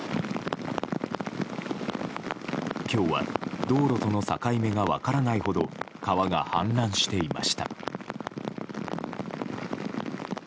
今日は、道路との境目が分からないほど川が氾濫していました。